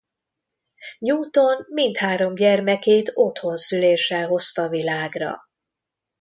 Newton mindhárom gyermekét otthon szüléssel hozta világra.